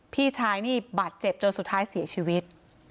พี่ชายนี่บาดเจ็บจนสุดท้ายเสียชีวิต